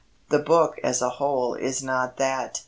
The book as a whole is not that.